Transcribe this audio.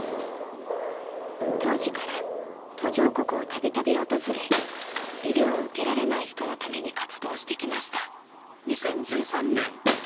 当時から途上国を度々訪れ医療を受けられない人のために活動してきました。